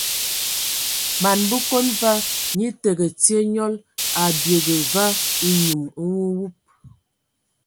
Man Bəkon va nye təgə tye nyɔl, a biege va enyum nwuwub.